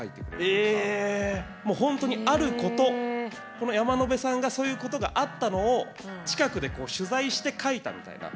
もうほんとにあることこの山野辺さんがそういうことがあったのを近くで取材して書いたみたいな。